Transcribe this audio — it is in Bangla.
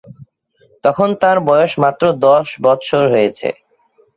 তখন তাঁর বয়স মাত্র দশ বৎসর হয়েছে।